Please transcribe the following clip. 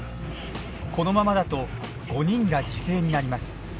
このままだと５人が犠牲になります。